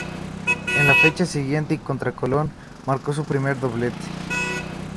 En la fecha siguiente y contra Colón, marcó su primer doblete.